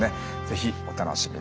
是非お楽しみに。